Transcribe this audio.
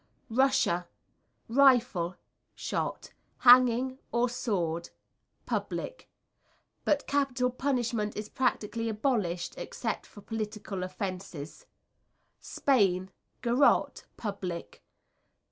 Russia Rifle shot, hanging or sword, public; but capital punishment is practically abolished except for political offences. Spain Garotte, public.